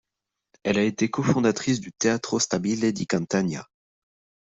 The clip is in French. Elle a été co-fondatrice du Teatro Stabile di Catania.